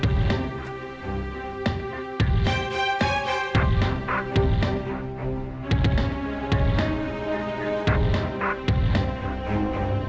untuk menjaga keballahan